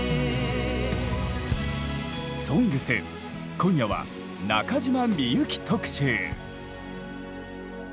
「ＳＯＮＧＳ」今夜は中島みゆき特集。